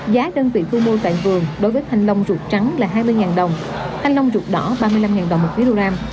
giá đơn vị thu mua tại vườn đối với thanh long ruột trắng là hai mươi đồng thanh long ruột đỏ ba mươi năm đồng một kg